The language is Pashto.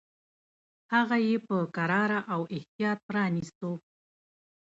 هغه یې په کراره او احتیاط پرانیستو.